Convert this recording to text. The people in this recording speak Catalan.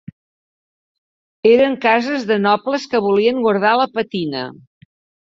Eren cases de nobles que volien guardar la patina